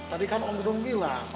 tadi kan om dudung bilang